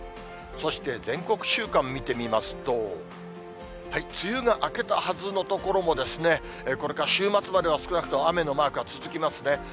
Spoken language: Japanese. そして全国週間見てみますと、梅雨が明けたはずの所もですね、これから週末までは少なくとも雨のマークが続きますね。